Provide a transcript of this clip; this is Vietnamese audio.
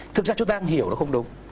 thực ra chúng ta đang hiểu nó không đúng